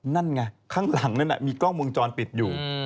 นั่นไงข้างหลังนั้นมีกล้องวงจรปิดอยู่